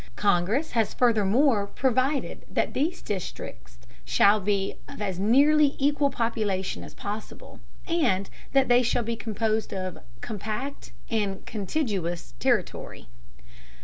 Congress has furthermore provided that these districts shall be of as nearly equal population as possible, and that they shall be composed of "compact and contiguous territory."